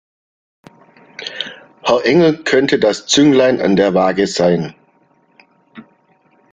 Herr Engel könnte das Zünglein an der Waage sein.